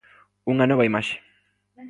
Unha nova imaxe.